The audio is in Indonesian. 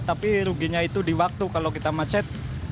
tapi ruginya itu di waktu kalau kita macet